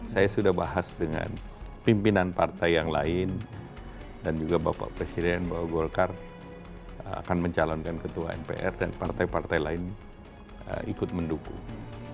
saya sudah bahas dengan pimpinan partai yang lain dan juga bapak presiden bahwa golkar akan mencalonkan ketua mpr dan partai partai lain ikut mendukung